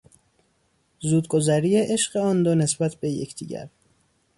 زودگذری عشق آن دو نسبت به یگدیگر